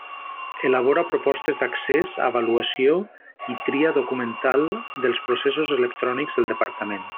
Elabora propostes d'accés, avaluació i tria documental dels processos electrònics del Departament.